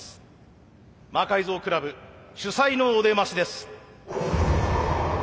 魔改造倶楽部主宰のお出ましです。